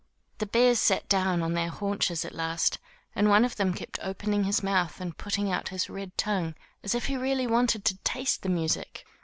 The bears sat down on their haunches at last, and one of them kept opening his mouth and putting out his red tongue, as if he really wanted to taste the music.